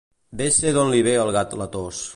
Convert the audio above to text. Bé sé d'on li ve al gat la tos.